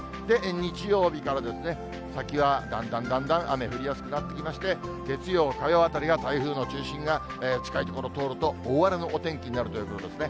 日曜日から先は、だんだんだんだん雨降りやすくなってきまして、月曜、火曜あたりが台風の中心が近い所通ると、大荒れのお天気になるということですね。